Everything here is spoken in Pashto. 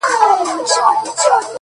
o راسره جانانه ؛